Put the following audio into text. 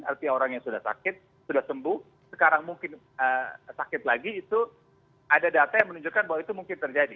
artinya orang yang sudah sakit sudah sembuh sekarang mungkin sakit lagi itu ada data yang menunjukkan bahwa itu mungkin terjadi